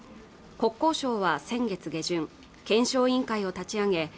国交省は先月下旬検証委員会を立ち上げ